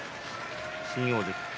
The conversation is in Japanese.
新大関霧